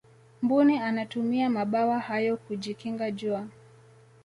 mbuni anatumia mabawa hayo kujikinga jua